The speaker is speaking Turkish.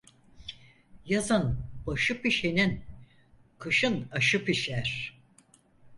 Yazın başı pişenin, kışın aşı pişer.